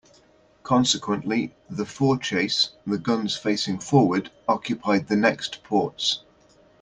Consequently, the fore chase - the guns facing forward - occupied the next ports.